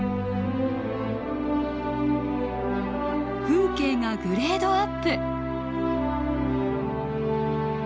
風景がグレードアップ。